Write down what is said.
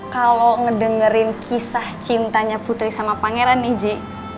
kalau ngedengerin kisah cintanya putri sama pangeran nih ji